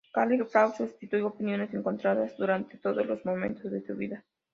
Karl Kraus suscitó opiniones encontradas durante todos los momentos de su vida.